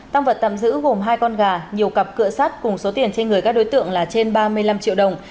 tăng vật tạm giữ gồm hai con gà nhiều cặp cửa sát cùng số tiền trên người các đối tượng là trên ba mươi năm triệu đồng